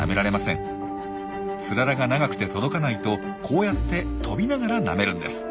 ツララが長くて届かないとこうやって飛びながらなめるんです。